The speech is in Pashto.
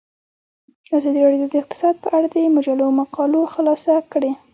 ازادي راډیو د اقتصاد په اړه د مجلو مقالو خلاصه کړې.